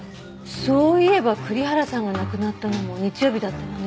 そういえば栗原さんが亡くなったのも日曜日だったわね。